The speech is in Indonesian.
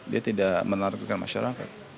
dia tidak menaruh ke masyarakat